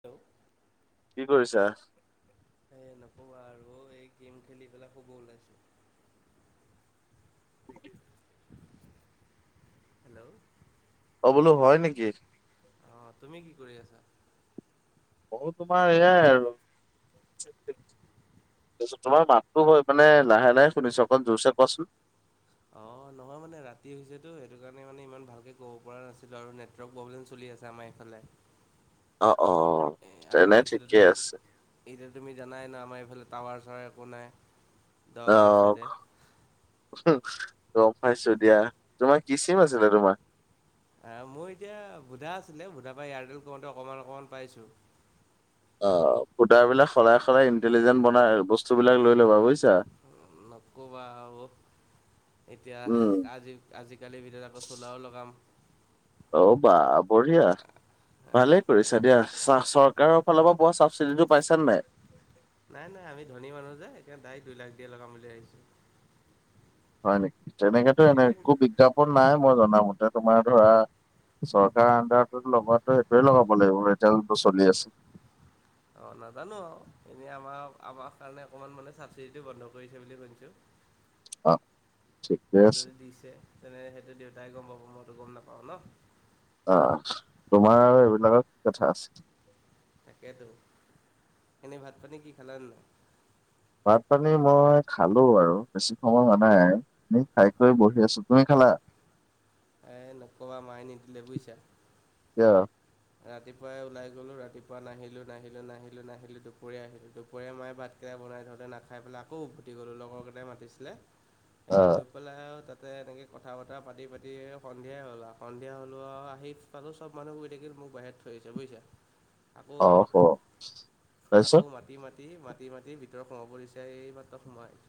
Hello কি কৰিছা? সে নকবা আৰু এই গেম খেলি পেলাই শুব ওলাইছোঁ। [unintelligible] হেল্ল' অ বোলোঁ হয় নেকি? অ তুমি কি কৰি আছা? বহু তোমাৰ এয়াই আৰু তোমাৰ মাততো হয় মানে লাহে লাহে শুনিছোঁ অকন জোৰছে কোৱাচোন। অ নহয় মানে ৰাতি হৈছেতো সেইটো কাৰণে মানে ইমান ভালকে ক'ব পৰা নাছিলোঁ আৰু নে নেটৱৰ্ক প্ৰব্ললেম চলি আছে আমাৰ এইফালে। অ অ আৰু তেনে এতিয়াতো ঠিকেই তুমি আছে। এতিয়া তুমি জানাই ন আমাৰ এইফালে টাৱাৰ চাৱাৰ একো নাই। অ। দগাঁও ছাইডে। গম পাইছোঁ দিয়া তোমাৰ কি চিম আছিলে তোমাৰ? মই এতিয়া ভুধা আছিলে ভুধা পা এয়াৰটেল কৰোঁতে অকণমান অকণমান পাইছোঁ। অ ভুদা বিলাক সলাই সলাই ইণ্টেলিজেণ্ট বনাই বস্তুবিলাক লৈ ল'বা বুইছা। নক'বা আৰু এতিয়া উম আজি আজিকালি ভিতৰত আকৌ চলাও লগাম। অ বা বঢ়িয়া। ভালে কৰিছা দিয়া চা চৰকাৰৰ ফালৰ পৰা পোৱা চাবচিডিটো পাইছা নে নাই। নাই নাই আমি ধনী মানুহ যে সেইকাৰণে দাইক দুই লাখ দিয়ে লগাম বুলি আহিছোঁ হয় নেকি তেনেকেতো এনে এইবিলাক একো বিজ্ঞাপন নাই মই জনামতে তোমাৰ ধৰা চৰকাৰ আণ্ডাৰতো লগোৱাটো এইটোৱে লগাব লাগিব তেওঁটো চলি আছে। অ নাজানোঁ আৰু এনেই আমাৰ আমাস কাৰণে অকণমান মানে চাবচিডিটো বন্ধ কৰিছে বুলি শুনিছোঁ। [unintelligible] ঠিকে আছে যদি দিছে তেনে সেইটো দেউতাই গম পাব মইতো গম নাপাওঁ ন। অ তোমাৰ আৰু এইবিলাকৰ কি কথা আছে? তাকেইতো এনেই ভাত পানী কি খালা নাই? ভাত পানী মই খালোঁ আৰু বেছি সময় হোৱা নাই। এ খাই কৰি বহি আছোঁ তুমি খালা? এ নকবা মাই নিদিলে বুইছা। কিয়? ৰাতিপুৱাই ওলাই গ'লো ৰাতিপুৱা নাহিলোঁ নাহিলোঁ নাহিলোঁ নাহিলোঁ দুপৰীয়া আহিলোঁ দুপৰীয়া মায়ে বাট কেই বনাই থওঁতে নাখাই পেলাই আকৌ উভতি গ'লো লগৰকেইটাই মাতিছিলে। [inaudible] এই গৈ গৈ পেলাই আৰু তাতে এনেকে কথা -বতৰা পাতি পাতি সন্ধিয়াই হ'ল আৰু সন্ধিয়া হ'লেও আৰু আহি পালোঁ চব মানুহ শুই থাকিল মোক বাহিৰত থৈ আহিছে বুইছা। আকৌ অ হ তাৰপিছত আকৌ মাতি মাতি মা মাতি মাতি ভিতৰত সোমাব দিছে এইমাত্ৰ সোমাই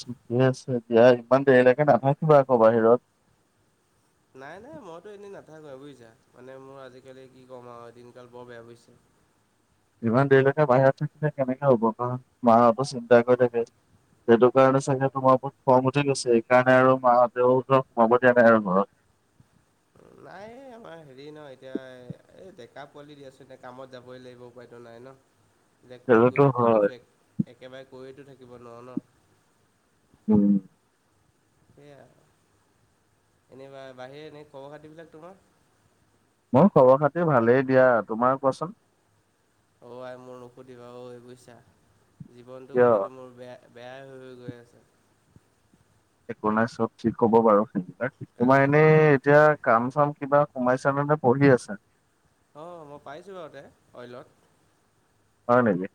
ঠিকে আছে দিয়া ইমান দেৰিলৈকে নাথাকিবা আকৌ বাহিৰত। নাই, নাই। মইতো এনেই নাথাকোঁৱে বুজিছা। মানে, মোৰ আজিকালি কি ক'ম আৰু! দিনকাল বৰ বেয়া বুজিছা। ইমান দেৰিলৈকে বাহিৰত থাকিলে, কেনেকে হ'ব? কাৰণ, মাহঁতো চিন্তা কৰি থাকে। সেইটো কাৰণে, চাগে তোমাৰ ওপৰত খং উঠি গৈছে। এই কাৰণে আৰু মা হঁতেও ধৰ, সোমাব দিয়া নাই আৰু ঘৰত। নাই, আমাৰ হেৰি ন', এতিয়া এই, ডেকা পোৱালি দি আছোঁ। এনেই কামত যাবই লাগিব, উপায়টো নাই ন'। [inaudible] যে ক'ত গৈছোঁ কি হয় কৰিছোঁ এক একেবাৰে কৈয়তো থাকিব নোৱাৰোঁ ন। উম। সেয়াা এনেবা বাহিৰে এনেই খবৰ খাতিবিলাক তোমাৰ? মোৰ খবৰ- খাতি ভালেই দিয়া। তোমাৰ কোৱাচোন? অ'! আই, মোৰ নুসুধিবা, ঐ বুইছা। জীৱনটো কিয় গোটেইটো মোৰ বেয়া! বেয়াই হৈ হৈ গৈ আছে। একো নাই, চব ঠিক হ'ব বাৰু সেইবিলাক। কালি তোমাৰ এনেই, এতিয়া কাম- চাম কিবা সোমাইছে নে, পঢ়ি আছা? অ'! মই পাইছোঁ বাৰু ইয়াতে, অইলত। হয় নকি?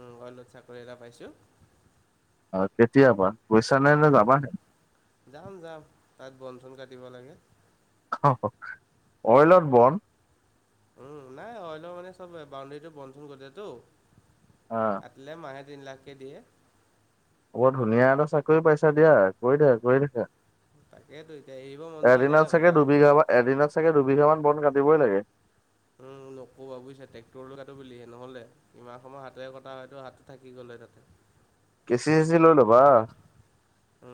উম! অইলত চাকৰি এটা পাইছোঁ। অ'! কেতিয়া পৰা? গৈছা নে, নে যাবাহে? যাম, যাম। তাত বন- চন কাটিব লাগে। [unintelligible] অইলত বন? উম! নাই, অইলৰ মানে, চব বাউণ্ডৰীটো বন- চন গজে ত'। অ'! কাটিলে, মাহে তিন লাখকে দিয়ে। বৰ ধুনীয়া এটা চাকৰি পাইছা দিয়া! কৰি থাকা, কৰি থাকা। তাকেইতো, এতিয়া এৰিব মন যোৱা এদিনত নাই আকৌ চাগে পাই। দুবিঘা মান এদিনত চাগে দুবিঘা মান বন কাটিবই লাগে? উম! নক'বা বুজিছা, ট্ৰেক্টৰলৈ কাটো বুলিহে, নহ'লে ইমান সময়, হাতেৰে কটা হয়তো, হাতটো থাকি গ'লেই তাতে। কেচি- চেচি লৈ ল'বা?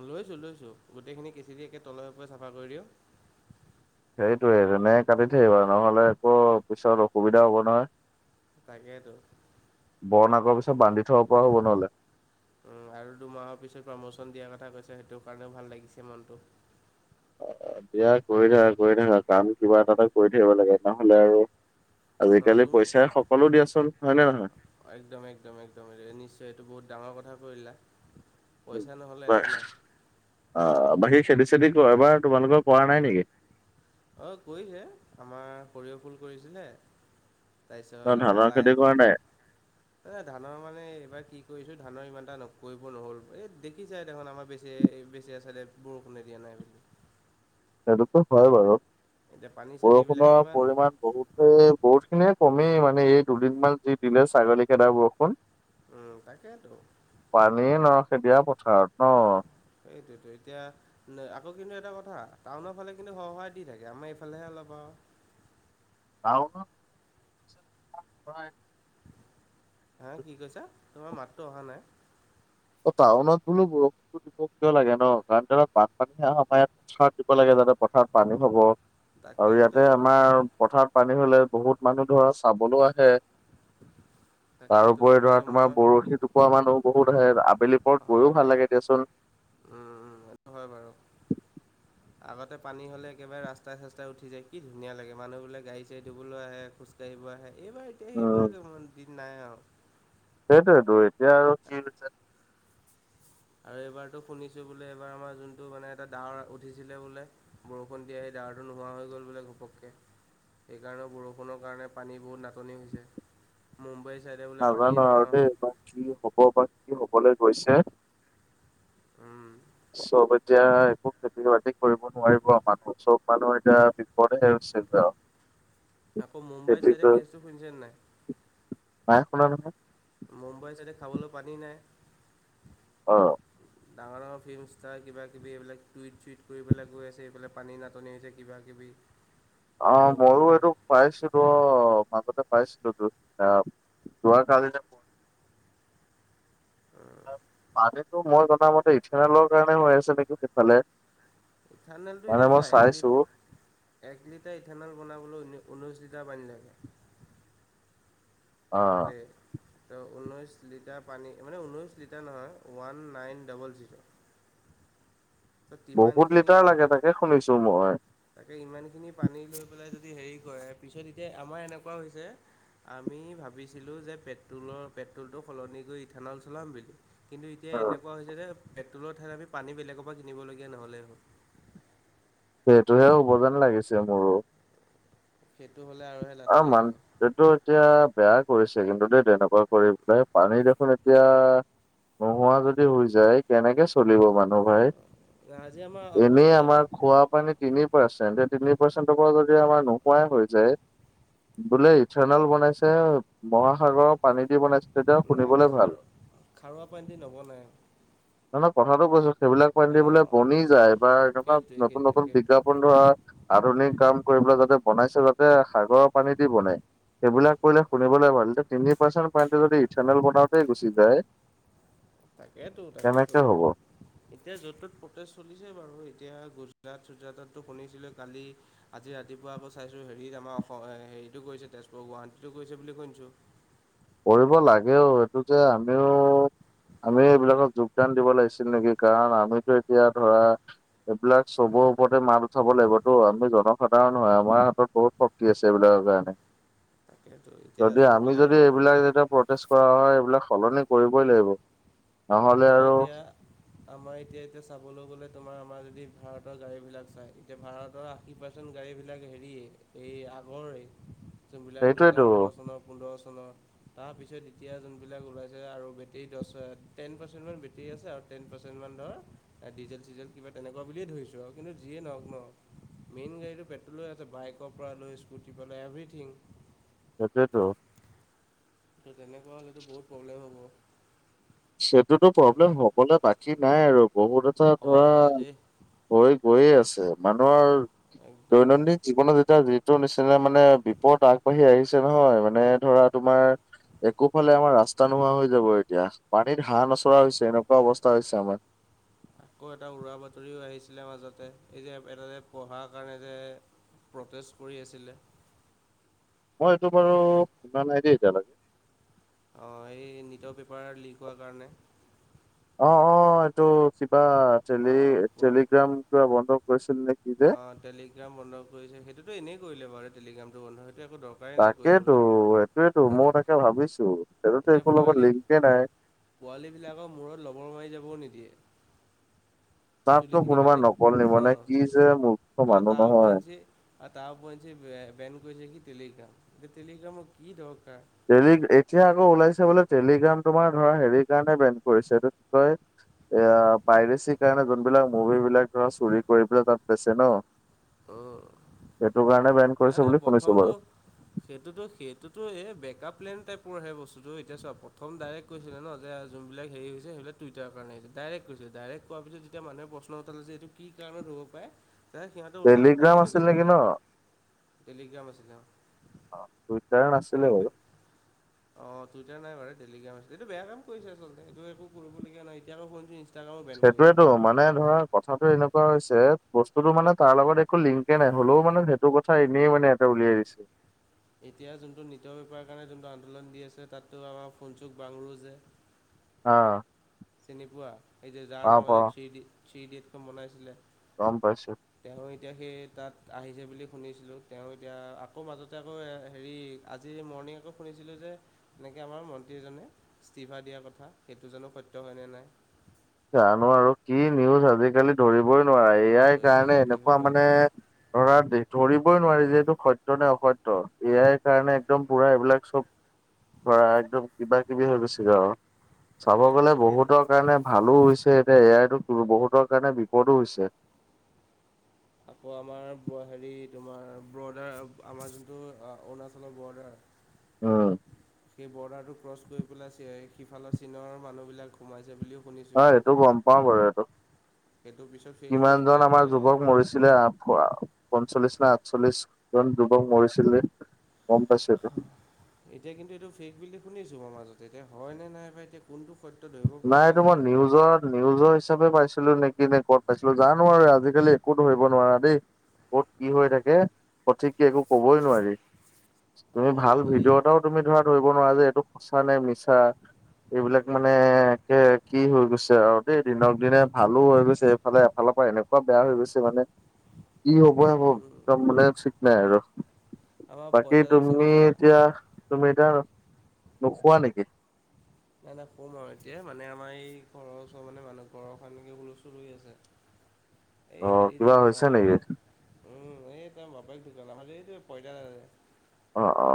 লৈছো, লৈছো। গোটেইখিনি কেচি দি একে, তলে -ওপৰে চাফা কৰি দিওঁ। সেইটোৱে! সেনেকে কাটি থাকিবা। নহ'লে আকৌ, পিছত অসুবিধা হ'ব নহয়। তাকেতো [unintelligible] আগৰ পিছত, বান্ধি থ'ব পৰা হ'ব নহ'লে। উম! আৰু দুমাহৰ পিছত, প্ৰমোচন দিয়াৰ কথা কৈছে, সেইটো কাৰণেও ভাল লাগিছে মনটো। অ'! দিয়া, কৰি থাকা, কৰি থাকা। কাম কিবা এটা এটা কৰি থাকিব লাগে। নহ'লে আৰু অ' আজিকালি তুমি পইচাই সকলো দিয়াচোন। হয় নে নহয়? একদম, একদম, একদম, নিশ্চয়। এইটো বহুত ডাঙৰ কথা কৈ দিলা। পইচা নহ'লে একো নাই। অ'! বাকী, খেতি -চেতি এবাৰ, তোমালোকৰ কৰা নাই নেকি? অ'! কৰিছে। আমাৰ সৰিয়হ ফুল কৰিছিলে। ন তাৰপিছত আমাৰ ধানৰ লাই খেতি কৰা নাই? এ, ধানৰ মানে, এইবাৰ কি কৰিছোঁ! ধানৰ ইমান এটা কৰিব নহ'ল। এই, দেখিছাই দেখোন আমাৰ বে যে, [unintelligible] চাইডে বৰষুণে দিয়া নাই বুলি। সেইটোতো হয় বাৰু। এতিয়া পানী চানীবিলাক বৰষুণৰ কিমান পৰিমণ বহুত! এ, বহুত খিনিয়ে কমেই। মানে, এই দুদিন মান যি দিলে, ছাগলী খেদা বৰষুণ। উম, তাকেতো পানীয়ে নহ'ল, [unintelligible] পথাৰত ন'? সেইটোতো, এতিয়া [unintelligible] আকৌ, কিন্তু এটা কথা, টাউনৰ ফালে কিন্তু, সৰ- সৰাই দি থাকে। আমাৰ এইফালেহে, অলপ আও টাউনত? হয়! হা, কি কৈছা? তোমাৰ মাতটো অহা নাই। অ'! টাউনত বোলো বৰ [unintelligible] কিয় লাগে ন'? কাৰণ, তাত বানপানী অহাৰ পৰাই আমাৰ ইয়াত, পথাৰত দিব লাগে, যাতে পথাৰত পানী হ'ব। আৰু তাকেইতো ইয়াতে, আমাৰ পথাৰত পানী হ'লে, বহুত মানুহ ধৰা, চাবলৈ আহে। তাকেইতো তাৰওপৰি ধৰা তাকেইতো তোমাৰ মই বৰশী টোপৰা মানুহ বহুত আহে। আবেলি পৰত হয় গৈয়ো ভাল হয় লাগে দিয়াচোন। উম উম সেইটো হয় বাৰু। [unintelligible] আগতে, পানী হ'লে একেবাৰে, ৰাস্তাই -চস্তাই উঠি যায়। কি ধুনীয়া লাগে! মানুহ বোৰে গাড়ী- চা়ড়ী ধুবলৈও আহে, খোজ খোজ কাঢ়িব আহে। এইবাৰ, এতিয়া উম সেইবিলাক দিন নাই আও। সেইটেতো এতিয়া আৰু কি হৈছে আৰু এইবাৰতো শুনিছোঁ বোলে, এইবাৰ আমাৰ যোনটো মানে এটা ডাৱৰ উঠিছিলে বোলে বৰষুণ দিয়া সেই ডাঁৰটো নোহোৱা হৈ গ'ল বোলে ঘপককে। সেইকাৰণেও বৰষুণৰ কাৰণে পানী বহুত নাটনি হৈছে। মুম্বাইৰ চাইডে বোলে পানীয়ে নাজানো আৰু নহোৱা হ'ল। দেই বা কি হ'ব বা কি হবলৈ গৈছে উম চৌ এতিয়া একো খেতি-বাতি কৰিব নোৱাৰিব মানুহ, চব মানুহ এতিয়া বিপদহে হৈছিল আৰু। আকৌ মুম্বাই খেতি চাইডে কৰি কেছটো শুনিছে নাই? নাই শুনা নহয়? মুম্বাইৰ ছাইডে খাবলৈ পানী নাই। অ। ডাঙৰ-ডাঙৰ ফিল্ম ষ্টাৰ কিবা-কিবি এইবিলাক টুইট-চুইট কৰি পেলাই গৈ আছে এইফালে পানী নাটনি হৈছে কিবা - কিবি। অ বৰষুণ ময়ো নাই এইটো পাইছিলো অ মাজতে পাইছিলো তো, আহ যোৱাকালি নে উম পানীটো মই জনামতে ইথেনেলৰ কাৰণে হৈ আছে নেকি সিফালে? ইথানেলটো এতিয়া থোৱা একলিত এক লিটাৰ ইথানেল বনাবলৈ ঊনৈ - ঊনৈছ লিটাৰ পানী লাগে। অ। তে, ত ঊনৈছ লিটাৰ পানী মানে ঊনৈছ লিটাৰ নহয়, ওৱান নাইন ডাবল জিৰ'। তো বহুত তিমানখিনি লিটাৰ পা লাগে তাকে শুনিছো মই। তাকে ইমানখিনি পানী লৈ পেলাই যদি হেৰি কৰে, পিছত এতিয়া আমাৰ এনেকুৱা হৈছে আমি ভাবিছিলোঁ যে পেট্ৰলৰ-পেট্ৰলটো সলনি কৰি ইথানল চলাম বুলি। কিন্তু এতিয়া এনেকুৱা হৈছে যে, পেট্ৰল ঠাইত আমি পানী বেলেগৰ পৰা কিনিবলগীয়া নহ'লে হল। সেইটোহে হ'ব যেন লাগিছে মোৰো। সেইটো হ'লে আৰুহে অ লাথা লাগিব মানত যিটো [unintelligible] এতিয়া বেয়া কৰিছে কিন্তু দেই তেনেকুৱা কৰি পেলাই পানী দেখোন এতিয়া নোহোৱা যদি হৈ যায়, কেনেকে চলিব মানুহ ভাই? আজি আমাৰ এনেই ইয়াত আমাৰ খোৱা মানে তিনি পাৰ্চেন্ট, [unintelligible] তিনি পাৰ্চেন্টৰ পৰা যদি আমাৰ নোহোৱাই হৈ যায় বোলে ইথেনল বনাইছে, মহাসাগৰৰ পানী দি বনাই নাই খাৰ খাৰুৱা পানদি নবনাই। অলপ কথাটো কৈছো, সেইবিলাক পানী দি বোলে অঁ বনি যায় বা এনেকুৱা সেইটোৱে নতুন সেইটোৱে নতুন সেইটোৱে বিজ্ঞা কোন ধৰা আধুনিক কাম কৰিব যাতে বনাইছে তা সাগৰৰ পানী দি বনাই, সেইবিলাক কৰিলে শুনিবলে ভাল এতিয়া তিনি পাৰ্চেণ্ট পানীটো যদি ইথানেল বনাওতে গুচি যায় তাকেতো, তাকেতো। কেনেকে হ'ব এতিয়া য'ত- ত'ত প্ৰটেছ চলিছে বাৰু এতিয়া গুজৰাট-চুজৰাটতো শুনিছিলোএ কালি আজি ৰাতিপুৱা আকৌ চাইছোঁ হেৰিত আমাৰ অসম হেৰিটো গৈছে তেজপুৰ, গুৱাহাটীতো গৈছে বুলি শুনিছোঁ। কৰিব লাগেও এইটো যে আমিও, আমি এইবিলাকত যু দান দিব লাগিছিল নেকি, কাৰণ আমিতো এতিয়া ধৰা এইবিলাক চবৰ ওপৰতে মাত উঠাব লাগিবতো, আমি জনসাধাৰণ হয় আমাৰ হাতত বহুত শক্তি আছে এইবিলাকৰ কাৰণে, তাকেতো এতিয়া যদি আমি যোনবিলাক যদি এইবিলাক যেতিয়া প্ৰটেষ্ট কৰা হয় এইবিলাক সলনি কৰিবই লাগিব। নহ'লে আমাৰ আৰু এতিয়া। আমাৰ এতিয়া এতিয়া চাবলৈ গলে তোমাৰ আমাৰ যদি ভাৰতৰ গাড়ী বিলাক চাই এতিয়া ভাৰতৰ আশী, তোন গাড়ীবিলাক হেৰিয়ে এই আগৰে, যোনবিলাক দুহেজাৰ সেইটোৱেতো ওঠৰ চনৰ পোন্ধৰ চনৰ, তাৰপিছত এতিয়া যোনবিলাক ওলাইছে আৰু বেটেৰী দশ হ টেন পাৰ্চেণ্টৰ বেট্ৰি আছে আৰু টেন পাৰ্চেণ্টমান ধ'ৰ, ডিজেল-চিজেল কিবা তেনেকুৱা বুলিয়ে ধৰিছোঁ। কিন্তু যিয়ে নহওক ন, মেইন গাড়ীটো পেট্ৰলে আছে বাইকৰ পৰা লৈ স্কুটিৰ পৰা লৈ এভৰিথিং। সেইটোৱেইটো। ত' তেনেকুৱা হ'লেতো বহুত প্ৰব্লেম হ'ব। সেইটোতো প্ৰব্লেম চৰকাৰ হবলে বাকী নাই আৰু বহুত এটা হয় ধৰা হয় দেই। হৈ গৈয়ে আছে, মানুহৰ দৈনন্দিন একদম জীৱনত যেতিয়া যি নিচিনা মানে বিপদত আগবাঢ়ি আহিছে। ছে নহয় মানে ধৰা তোমাৰ একোফালে আমাৰ ৰাস্তা নোহোৱা হৈ যাব এতিয়া। পানীত হাঁহ নচৰা হৈছে এনেকুৱা অৱস্থা হৈছে আমাৰ। আকৌ এটা উৰা বাতৰিও আহিছিলে মাজতে এই যে এটা যে পঢ়া কাৰণে যে, প্ৰটেষ্ট কৰি আছিলে। মই এইটো বাৰু শুনা নাই দেই এতিয়ালৈকে। অহ এই নিটৰ পেপাৰ লিক হোৱাৰ কাৰণে। অ অ এইটো কিবা টেলি অ' প্ৰ- টেলিগ্ৰাম কিবা বন্ধ কৰিছিল নেকি। অ টেলিগ্ৰাম বন্ধ কৰিছে সেইটোতটো এনেই কৰিলে বাৰু টেলিগ্ৰামটো বন্ধ সেইটো একো দৰকাৰ, তাকেইেতো এইটোয়ো তো ময়ো তাকে ভাবিছো সেইটোতো একো লগত লিংকে নাই। পোৱালী বিলাকৰ মূৰত ৰবৰ মাৰি যাবও নিদিয়ে। তাতো চুলিখিনি কোনোবা বান্ধি নকল নিব নে অ' কি যে মোৰ। আৰু তাৰ উপৰেঞ্চে, আৰু তাৰ ওপৰি যে বেন কৰিছে কি টেলিগ্ৰাম এতিয়া টেলিগ্ৰাম কি দৰকাৰ। টেলি এতিয়া আকৌ ওলাইছে বোলে টেলিগ্ৰাম তোমাৰ ধৰা হেৰি। সেই কাৰণ ব্ৰেণ্ড কৰিছে এইটো কি কয় এ পাইৰেচি, সেইকাৰণে যোনবিলাক মুভি বিলাক ধৰা চুৰি কৰি পেলাই তাত বেচে ন, অ সেইটো কাৰণে বেন নাই কৰিছে নাই বুলি শুনিছো প্ৰথমটো, বাৰু সেইটোতো সেইটোতো এই বেকআপ প্লেন টাইপৰ হে বস্তুতটো এতিয়া চোৱা প্ৰথম ডাইৰেক্ট, কৰিছিলে ন যে যোনবাক হেৰি হৈছে সেইবিলাকটইটাৰ কাৰণে হৈছে ডাইৰেক্টৈছিল ডাইৰেক্ট কৰোৱাৰ পিছ যেতিয়া মানুহে প্ৰশ্ন উথালে যে এইটো, কি কাৰণত হ'ব পাৰে। তেতিয়া সিহঁতে উল্টা পুল্টাই টেলিগ্ৰাম সেইটো কৈ আছিল দিলে নেকি ন? টেলিগ্ৰাম আছিলে অহ, অ [unintelligible] অ টুইটাৰ নাই বাৰু টেলিগ্ৰাম আছে এইটো বেয়া কাম কৰিছে আচলতে এইটো একো কৰিব লগা নাই এতিয়া আকৌ ফোন, সেইটোয়েতো মানে ধৰা কথাটো এনেকুৱা হৈছে বস্তুতটো মানে তাৰ লগত, একো লিংকে নাই হ'লেও মানে সেইটো কথা এনেই মানে এটা উলিয়াই দিছে। এতিয়া যোনটো নিতৰ বেপাৰৰ কাৰণে যোনটো আন্দোলন দি আছে তাততো আমাৰ ফোনচোন কৰাবোৰো যে। অ, চিনি পোৱা এই যে যাৰ পাওঁ পাওঁ নামাজত থ্ৰী থ্ৰী ইডিয়েট খন যে বনাইছিলে। গম পাইছো। তেওঁ এতিয়া সেই তাত আহিছে বুলি শুনিছিলোঁ তেওঁ এতিয়া আকৌ মাজতে আকৌ হেৰি। আজি মৰ্ণিঙ আকৌ শুনিছিলোঁ যে। এনেকৈ আমাৰ মন্ত্ৰী এজনে ইস্তিফা দিয়াৰ কথা সেইটো জানো সত্য হয় নে নাই। জানো আৰু কি নিউজ আজিকালি ধৰিবই নোৱাৰে ইয়াই ধৰিব কাৰণে নোৱাৰি ধৰিব এনেকুৱা নোৱাৰি মানে। ধৰা দ ধৰিবই নোৱাৰি যিহেতু সত্য নে অসত্য এ আই, কাৰণে একদম পুৰা এইবিলাক চব ধৰা একদম কিবা কিবি হৈ গৈছিলো আৰু চাব তাকেইতো গলে তাকেইতো বহুতৰ কাৰণে। ভালো হৈছে এতিয়া এয়াই তো বহুতৰ কাৰণে বিপদো হৈছে। আকৌ আমাৰ হেৰি তোমাৰ বৰডাৰ আমাৰ যোনটো অৰুণাচলৰ বৰডাৰ। উম, সেই বৰ্ডাৰটো ক্ৰছ কৰি পেলাই সিফালৰ চীনৰ মানুহবিলাক সোমাইছে বুলিও অ শুনিছোঁ এইটো গম পাও বাৰু এইটো সেইটো পিছত ফেক নিউজ কিমান বুলি জন আমাৰ ক'লে যুৱক মৰিছিলে আফোৱা পঞ্চল্লিশ না আঠচল্লিশ জন যুৱক মৰিছিলে গম পাইছিলো। এতিয়া কিন্তু এইটো ফেক বুলি শুনিছোঁ মই মাজতে এতিয়া হয়নে নাইবা এতিয়া কোনটো সত- নাই এইটো মই নিউজত নিউজৰ হিচাপে পাইছিলো নেকি নে কি ক'ত পাইছিলো জানো আৰু আজিকালি একো ধৰিব নোৱাৰা দেই। ক'ত কি হৈ থাকে সঠিক কে একো কবই নোৱাৰি তুমি আকৌ ভাল এই ভিডিঅ'ত এটাও তুমি ধৰা ধৰিব নোৱাৰা যে এইটো সঁচা নে মিছা এইবিলাক মানে তাকে এ কি হৈ গৈছে আৰু দেই দিনক দিনে ভালো হৈ গৈছে এইফালে এফালৰ পৰা এনেকুৱা বেয়া হৈ গৈছে মানে। ই হ'বই হ'ব তাব মানে ঠিক নাই আৰু। আমাৰ বাকী পঁইতাদাক চিনি তুমি পোৱা? এতিয়া তুমি এতিয়া নোখোৱা নেকি? নাই নাই কম আৰু এতিয়া মানে আমাৰ এই ঘৰৰ ওচৰ মানে মানুহ ঘৰৰ এখনকে হুলচটোল হৈ আছে। এই অ হেৰি যে কিবা তোমাৰ হৈছে আমাক নেকি? উম এই তাৰ বাপেক দোকাল আমাৰ এইয়ে পইতা অ অ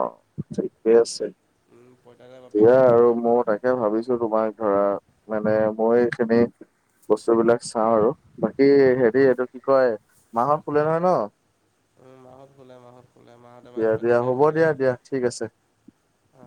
ঠিকে আছে উম পঁইতাদাৰ বাপেক দিয়া ঢুকাল। আৰু ময়ো তাক এ ভাবিছো তোমাক ধৰা মানে মই এইখিনি বস্তু বিলাক চাওঁ আৰু বাকী হেৰি এইটো কি কয় মাহত শুলে নহয় ন মাহত শুলে মাহত শুলে মাহঁতে ভাত দিয়া পানী দিয়া খাই হ'ব শুলে। দিয়া দিয়া ঠিক আছে। অ